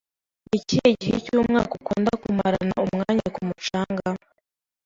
Ni ikihe gihe cyumwaka ukunda kumarana umwanya ku mucanga?